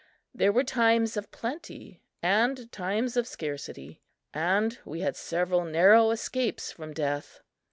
There were times of plenty and times of scarcity, and we had several narrow escapes from death.